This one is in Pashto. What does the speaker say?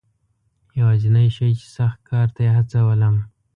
یوازنی شی چې سخت کار ته یې هڅولم.